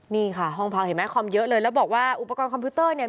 นี่ค่ะห้องพักเห็นไหมคอมเยอะเลยแล้วบอกว่าอุปกรณ์คอมพิวเตอร์เนี่ย